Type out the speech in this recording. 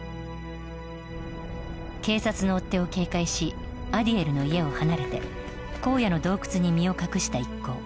警察の追っ手を警戒しアディエルの家を離れて荒野の洞窟に身を隠した一行